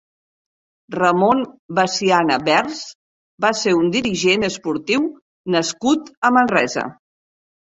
Ramon Basiana Vers va ser un dirigent esportiu nascut a Manresa.